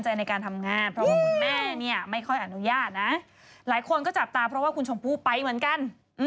หลายคนก็จับตาเพราะว่าคุณชมพู่ไปเหมือนกัน